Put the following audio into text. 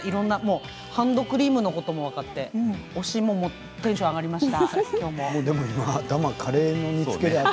ハンドクリームのことも分かって推しもテンションがありました。